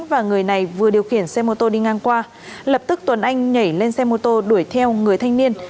và người này vừa điều khiển xe mô tô đi ngang qua lập tức tuấn anh nhảy lên xe mô tô đuổi theo người thanh niên